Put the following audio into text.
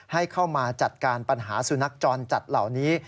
ให้เข้ามาจัดการปัญหาสุนัขจรจัดเหล่านี้